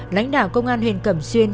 lãnh đạo công an huyện cẩm xuyên